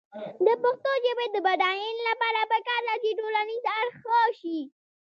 د پښتو ژبې د بډاینې لپاره پکار ده چې ټولنیز اړخ ښه شي.